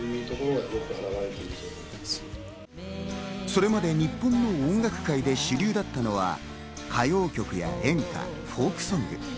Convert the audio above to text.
それまで日本の音楽界で主流だったのは、歌謡曲や演歌、フォークソング。